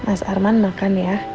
mas arman makan ya